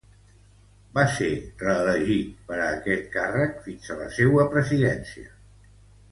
Va ser reelegit per a este càrrec fins a la seua presidència.